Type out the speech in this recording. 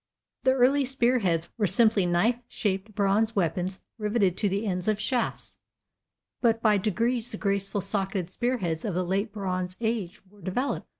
The early spear heads were simply knife shaped bronze weapons riveted to the ends of shafts, but by degrees the graceful socketed spear heads of the late bronze age were developed.